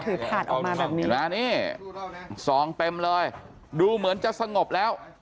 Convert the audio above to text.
ถือถาดออกมาแบบนี้สองเต็มเลยดูเหมือนจะสงบแล้ว